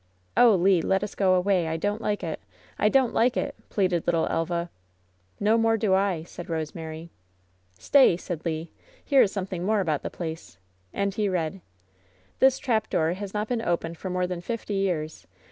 "Oh, Le ! let us go away. I don't like it. I don't like it !" pleaded little Elva. "No more do I," said Rosemary. "Stay," said Le. "Here is something more about the place." And he read :'^ 'This trapdoor has not been opened for more than fifty years.